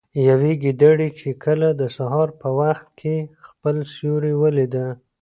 يوې ګيدړې چې کله د سهار په وخت كې خپل سيورى وليده